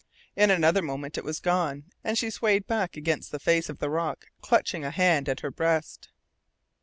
In another moment it was gone, and she swayed back against the face of the rock, clutching a hand at her breast.